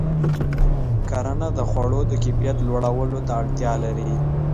کرنه د خوړو د کیفیت لوړولو ته اړتیا لري.